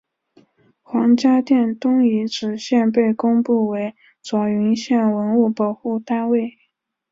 黄家店东遗址现被公布为左云县文物保护单位。